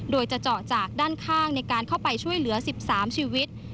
โดยจะเจาะจากด้านข้างในการเข้าไปช่วยเหลือ๑๓ชีวิต